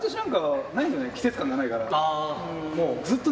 季節感がないから。